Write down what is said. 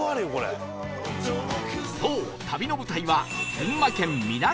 そう旅の舞台は